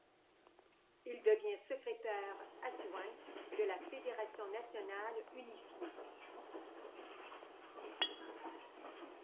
Il devient secrétaire adjoint de la Fédération nationale unifiée.